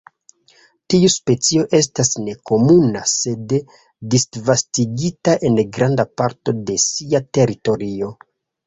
Tiu specio estas nekomuna sed disvastigita en granda parto de sia teritorio.